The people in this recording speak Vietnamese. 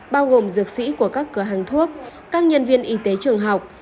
bao gồm dược sĩ của các cửa hàng thuốc các nhân viên y tế trường học